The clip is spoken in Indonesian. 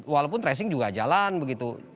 walaupun tracing juga jalan begitu